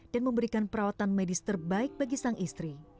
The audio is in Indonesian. dan memberikan perawatan medis terbaik bagi sang istri